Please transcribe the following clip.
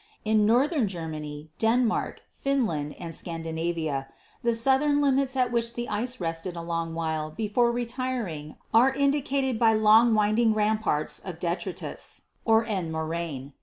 In northern Germany, Denmark, Finland and Scandinavia, the southern limits at which the ice rested a long while before retiring are indicated by long winding ramparts of detritus (Endmorane).